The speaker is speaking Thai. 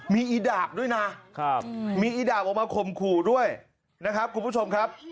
มีอีดาบด้วยนะมีอีดาบออกมาข่มขู่ด้วยนะครับคุณผู้ชมครับ